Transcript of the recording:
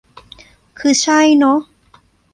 คือใช่เนอะ